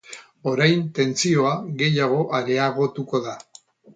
Orain tentsioa gehiago areagotu da.